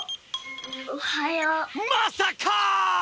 まさか！